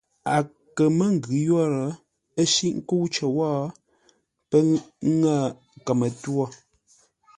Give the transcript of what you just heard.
A kə̂ mə́ ngʉ̌ yə́rə́, ə́ shíʼ nkə́u cər wó, pə́ ŋə̂ kəmə-twô.